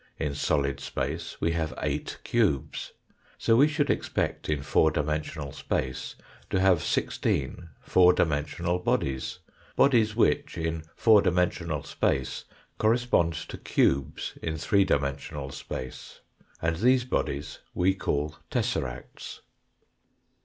In solid space we have eight cubes. So we should expect in four dimensional space to have sixteen four dimen sional bodies bodies which in four dimensional space correspond to cubes in three dimensional space, and these bodies we call tesseracts.